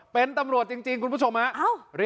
เพิดเมียนเมา